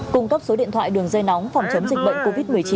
cung cấp số điện thoại đường dây nóng phòng chống dịch bệnh covid một mươi chín